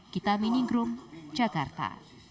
kita minigroom jakarta